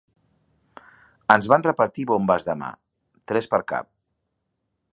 Ens van repartir bombes de mà; tres per cap